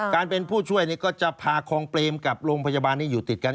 การเป็นผู้ช่วยก็จะพาคลองเปรมกับโรงพยาบาลที่อยู่ติดกัน